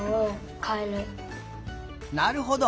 なるほど！